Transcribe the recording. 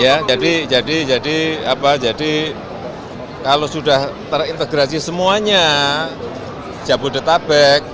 ya jadi jadi jadi apa jadi kalau sudah terintegrasi semuanya jabodetabek